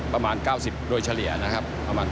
ประมาณ๙๐โดยเฉลี่ยนะครับ